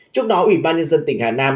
trước đó ủy ban nhân dân tỉnh hà nam